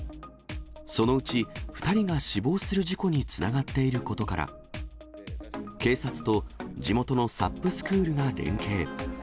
そのうち２人が死亡する事故につながっていることから、警察と地元のサップスクールが連携。